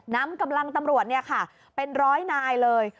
นำกำลังตำรวจเนี่ยค่ะเป็น๑๐๐นายเลย